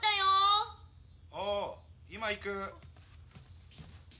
おお今行く。